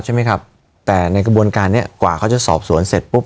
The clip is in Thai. ใช่ไหมครับแต่ในกระบวนการเนี้ยกว่าเขาจะสอบสวนเสร็จปุ๊บ